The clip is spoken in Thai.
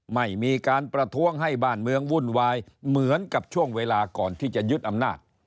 ไม่มีการประท้วงให้บ้านเมืองวุ่นวายเหมือนกับช่วงเวลาก่อนที่จะยึดอำนาจ